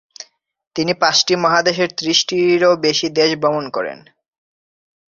তিনি পাঁচটি মহাদেশের ত্রিশটিরও বেশি দেশ ভ্রমণ করেন।